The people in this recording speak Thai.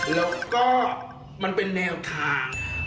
แล้วก็มันเป็นแนวทาง